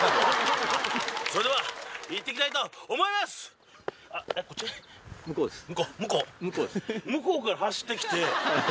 それでは行って来たいと思います！